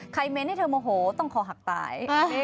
เม้นให้เธอโมโหต้องคอหักตาย